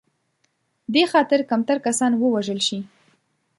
دې خاطر کمتر کسان ووژل شي.